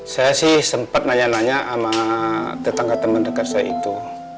saya sih sempat nanya nanya sama tetangga teman dekat saya itu